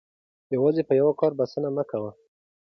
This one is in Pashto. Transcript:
یوازې په یوه کار بسنه مه کوئ.